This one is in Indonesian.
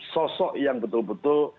sosok yang betul betul